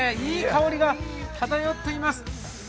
いい香りが漂っています。